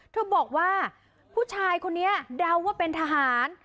เธอบอกว่าผู้ชายคนนี้เดาว่าเป็นทหาร